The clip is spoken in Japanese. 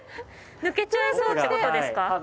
抜けちゃいそうって事ですか？